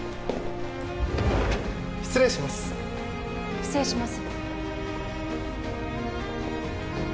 失礼します失礼します